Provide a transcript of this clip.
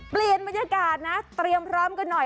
เปลี่ยนบรรยากาศนะเตรียมพร้อมกันหน่อย